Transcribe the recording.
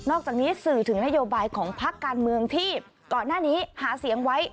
อกจากนี้สื่อถึงนโยบายของพักการเมืองที่ก่อนหน้านี้หาเสียงไว้